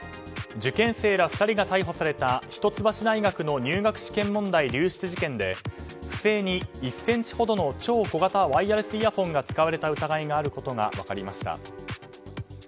受験生ら２人が逮捕された一橋大学の入学入試問題流出事件で不正に１ｃｍほどの超小型ワイヤレスイヤホンが使われた疑いがあることが分かりました。